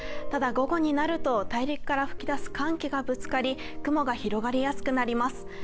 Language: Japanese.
ただ、午後になると、大陸から吹き出す寒気がぶつかり雲が広がりやすくなります。